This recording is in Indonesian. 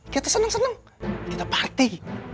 kita seneng seneng kita party